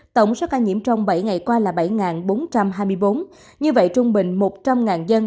tổng số ca nhiễm trong bảy ngày qua là bảy bốn trăm hai mươi bốn như vậy trung bình một trăm linh dân